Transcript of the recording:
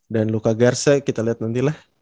dan luka garza kita liat nanti lah